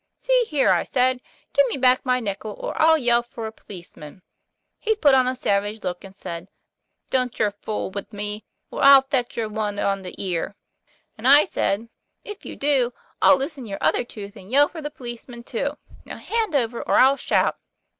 * See here, ' I said, 'give me back my nickel or I'll yell for a policeman. ' He put on a savage look, and said, 'Don't yer fool wid me, or I'll fetch yer one on de ear,' and I said, 'If you do, I'll loosen your other tooth, and yell for the policeman too. Now hand over, or I'll shout.'